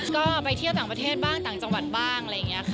ก็ไปเที่ยวต่างประเทศบ้างต่างจังหวัดบ้างอะไรอย่างนี้ค่ะ